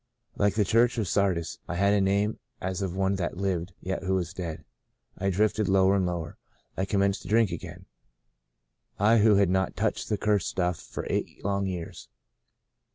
Like the church at Sardis, I had a name as of one that lived, yet who was dead. I drifted lower and lower. I commenced to drink again — I who had not touched the cursed stuff for eight long years.